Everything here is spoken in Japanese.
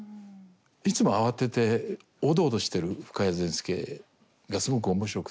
いつも慌てておどおどしてる深谷善輔がすごく面白くて。